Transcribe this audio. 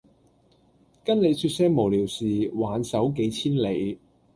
與你說些無聊事挽手幾千里